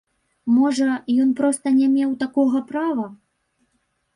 Можа, ён проста не меў такога права?